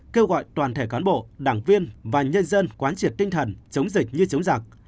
kêu gọi toàn thể cán bộ đảng viên và nhân dân quán triệt tinh thần chống dịch như chống giặc